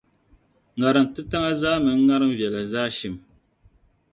ŋariŋ titaŋa zaa mini ŋariŋ viɛla zaa shim.